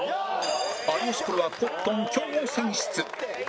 有吉プロはコットンきょんを選出